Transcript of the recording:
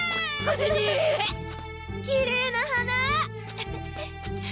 きれいな花！